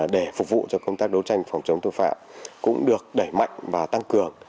để phục vụ cho công tác đấu tranh phòng chống tội phạm cũng được đẩy mạnh và tăng cường